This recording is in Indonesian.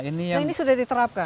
ini sudah diterapkan